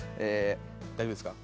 大丈夫ですか？